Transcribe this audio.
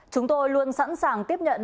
chúng tôi luôn sẵn sàng tiếp nhận